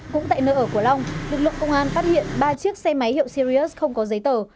cũng tại nơi ở của long lực lượng công an phát hiện ba chiếc xe máy hiệu sirius không có giấy tờ